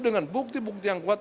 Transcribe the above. dengan bukti bukti kuat